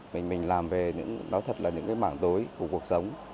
mình làm về những nó thật là những cái mảng đối của cuộc sống